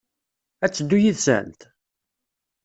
Ad teddu yid-sent?